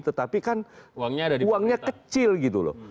tetapi kan uangnya kecil gitu loh